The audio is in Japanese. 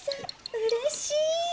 うれしい！